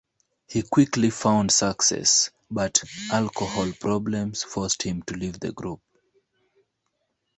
He quickly found success, but alcohol problems forced him to leave the group.